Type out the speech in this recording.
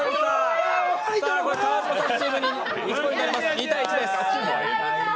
２−１です。